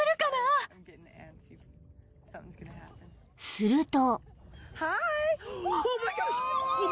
［すると］